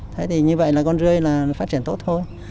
thế thì như vậy là con dươi phát triển tốt thôi